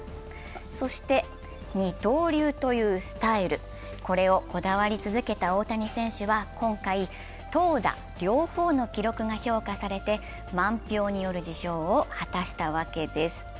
そして二刀流というスタイル、これをこだわり続けた大谷選手は今回、投打両方の記録が評価されて満票による受賞を果たしたわけです。